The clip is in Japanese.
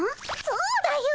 そうだよ。